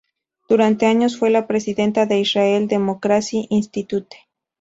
Durante años fue la Presidenta de Israel Democracy Institute.